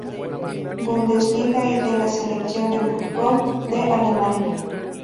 Bundesliga y de la selección de fútbol de Alemania.